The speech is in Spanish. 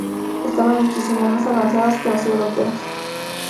Estaban muchísimo más avanzados que los europeos.